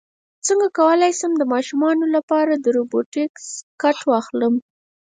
څنګه کولی شم د ماشومانو لپاره د روبوټکس کټ واخلم